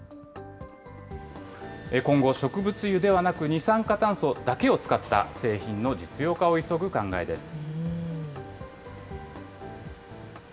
今後、植物油ではなく、二酸化炭素だけを使った製品の実用化を急ぐ考えです。